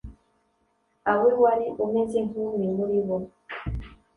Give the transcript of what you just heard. awe wari umeze nk’umwe muri bo!